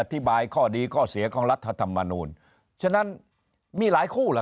ข้อดีข้อเสียของรัฐธรรมนูลฉะนั้นมีหลายคู่ล่ะ